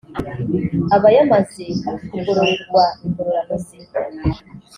aba yamaze kugororerwa ingororano ze